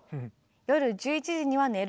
「夜１１時には寝ること」。